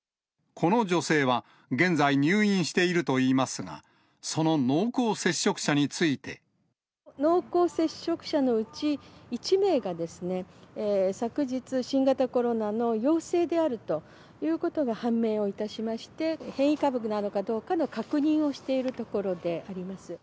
この女性は現在、入院しているといいますが、その濃厚接触者につ濃厚接触者のうち、１名がですね、昨日、新型コロナの陽性であるということが判明をいたしまして、変異株なのかどうかの確認をしているところであります。